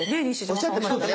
おっしゃってましたね。